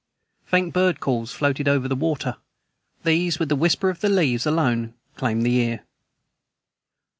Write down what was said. Faint bird calls floated over the water. These, with the whisper of leaves, alone claimed the ear.